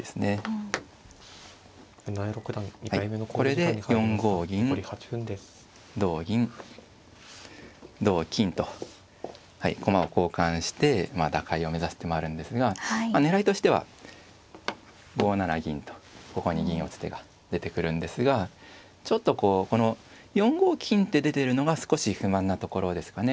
これで４五銀同銀同金とはい駒を交換して打開を目指す手もあるんですが狙いとしては５七銀とここに銀を打つ手が出てくるんですがちょっとこうこの４五金って出てるのが少し不満なところですかね。